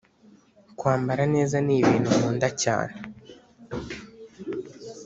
kwambara neza n’ibintu nkunda cyane